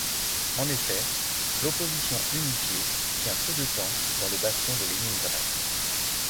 En effet, l'Opposition unifiée tient peu de temps dans le bastion de Léningrad.